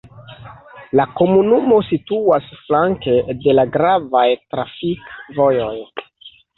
La komunumo situas flanke de la gravaj trafikvojoj.